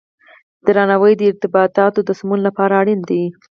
درناوی د ارتباطاتو د سمون لپاره اړین دی.